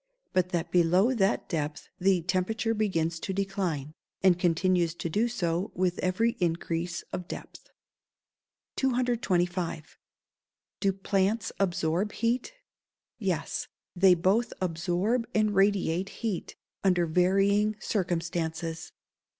But that below that depth the temperature begins to decline, and continues to do so with every increase of depth. 225. Do plants absorb heat? Yes. They both absorb and radiate heat, under varying circumstances.